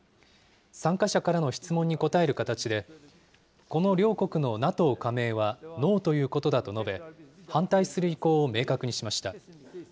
参加者からの質問に答える形で、この両国のＮＡＴＯ加盟はノーということだと述べ、反対する意向を明確にしました。